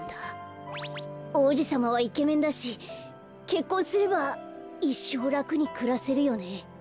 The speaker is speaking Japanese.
おうじさまはイケメンだしけっこんすればいっしょうらくにくらせるよね。